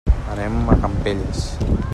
Anem a Campelles.